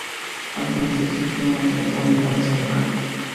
Al suroeste se sitúa una terraza orientada hacia la calle.